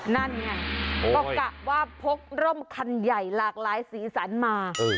นั่นไงก็กะว่าพกร่มคันใหญ่หลากหลายสีสันมา